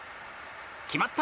決まった！